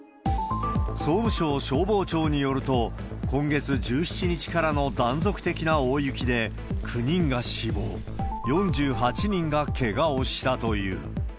総務省消防庁によると、今月１７日からの断続的な大雪で、９人が死亡、４８人がけがをしたという。